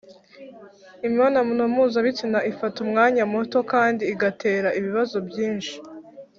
imibonano mpuzabitsina ifata umwanya muto kandi igatera ibibazo byinshi